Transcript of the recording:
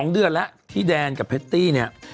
๒เดือนแล้วที่แดนกับเพตตี้เนี่ย